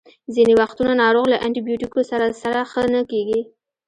ځینې وختونه ناروغ له انټي بیوټیکو سره سره ښه نه کیږي.